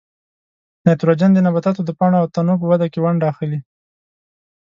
نایتروجن د نباتاتو د پاڼو او تنو په وده کې ونډه اخلي.